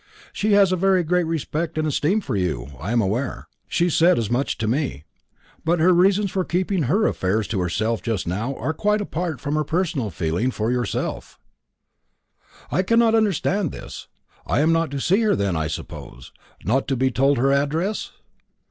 "She has a very great respect and esteem for you, I am aware. She said as much to me. But her reasons for keeping her affairs to herself just now are quite apart from her personal feeling for yourself." "I cannot understand this. I am not to see her then, I suppose; not to be told her address?"